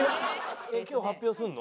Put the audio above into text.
今日発表するの？